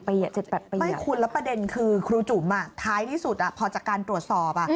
ไม่คุณแล้วประเด็นคือครูจุ๋มท้ายที่สุดพอจากการตรวจสอบ